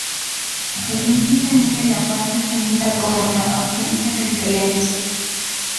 El Índice mide la paz definida como la ausencia de violencia.